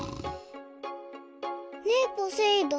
ねえポセイ丼。